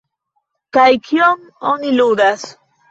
Kaj kion oni ludas?